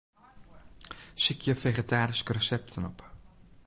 Sykje fegetaryske resepten op.